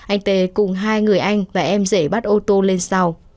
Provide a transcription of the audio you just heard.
anh tê cùng hai người anh và em rể bắt ô tô lên sau